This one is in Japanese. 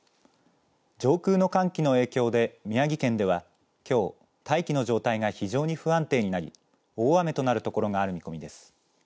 上空の寒気の影響で宮城県では、きょう大気の状態が非常に不安定になり大雨となる所がある見込みです。